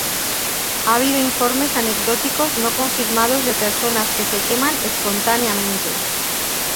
Ha habido informes anecdóticos no confirmados de personas que se queman espontáneamente.